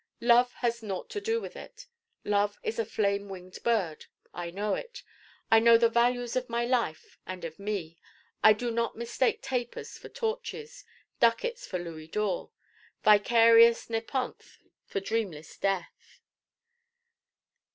Love has naught to do with it. Love is a flame winged Bird. I know it. I know the values of my life and of me. I do not mistake tapers for torches, ducats for louis d'ors, vicarious nepenthe for dreamless death.